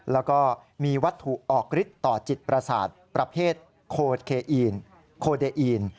แล้วก็มีวัตถุออกฤทธิ์ต่อจิตประสาทประเภทโคเคอีนโคเดอีน